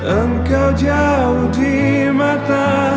engkau jauh di mata